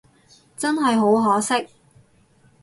真係好可惜